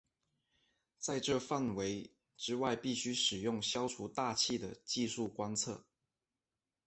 在这范围之外必须使用消除大气的技术观测。